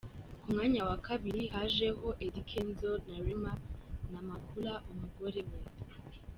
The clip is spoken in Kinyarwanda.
Ku mwanya wa kabiri hajeho Eddy Kenzo na Rema Namakula umugore we.